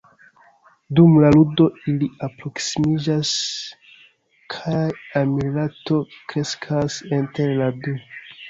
Dum la ludo, ili alproksimiĝas kaj amrilato kreskas inter la du.